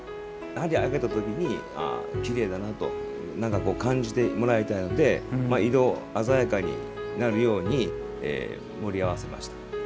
開けたときにきれいだなと感じてもらいたいので色鮮やかになるように盛り合わせました。